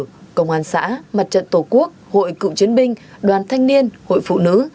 tại địa bàn cơ sở công an xã mặt trận tổ quốc hội cựu chiến binh đoàn thanh niên hội phụ nữ